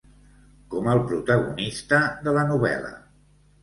Com el protagonista de la novel·la.